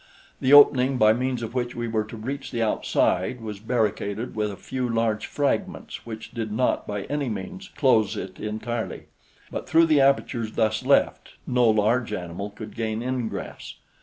The opening by means of which we were to reach the outside was barricaded with a few large fragments which did not by any means close it entirely; but through the apertures thus left no large animal could gain ingress.